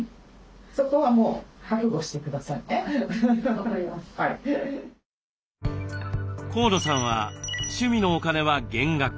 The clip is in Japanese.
大体皆さん河野さんは趣味のお金は減額。